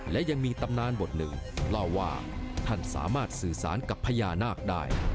และยังมีตำนานบทหนึ่งเล่าว่าท่านสามารถสื่อสารกับพญานาคได้